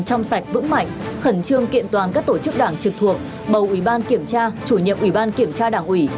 trong sạch vững mạnh khẩn trương kiện toàn các tổ chức đảng trực thuộc bầu ủy ban kiểm tra chủ nhiệm ủy ban kiểm tra đảng ủy